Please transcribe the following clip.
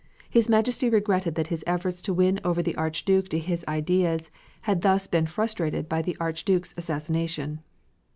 His Majesty regretted that his efforts to win over the Archduke to his ideas had thus been frustrated by the Archduke's assassination.